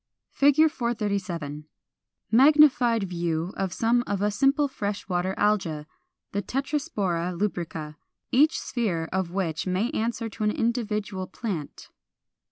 [Illustration: Fig. 437. Magnified view of some of a simple fresh water Alga, the Tetraspora lubrica, each sphere of which may answer to an individual plant.